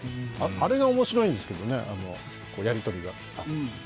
あれがおもしろいんですけどね、やりとりが。